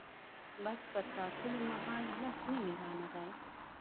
بس پر ټاکلي مهال لس نیمې رانغی.